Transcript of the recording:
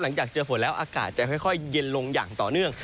หลังจากเจอฝนแล้วอากาศจะค่อยเย็นลงอย่างต่อเนื่อง